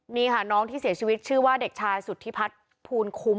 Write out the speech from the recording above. นี่ค่ะน้องที่เสียชีวิตชื่อว่าเด็กชายสุธิพัฒน์ภูมิคุ้ม